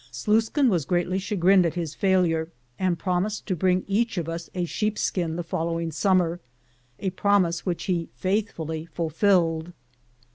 Sluis kin was greatly chagrined at his failure, andf promised to bring each of us a sheep skin the following summer, a promise which he faithfully fulfilled.